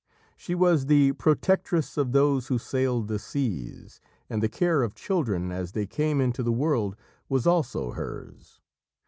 She was the protectress of those who sailed the seas, and the care of children as they came into the world was also hers.